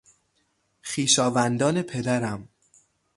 خویشاوندان پدرم